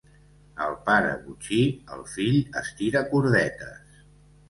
El pare botxí, el fill estiracordetes.